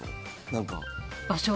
何か。